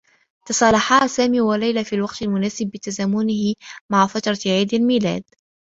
تصالحا سامي و ليلى في الوقت المناسب بتزامنه مع فترة عيد الميلاد.